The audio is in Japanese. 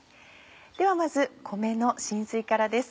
ではまず米の浸水からです。